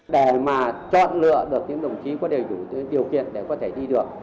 để mà chọn lựa được những đồng chí có đầy đủ điều kiện để có thể đi được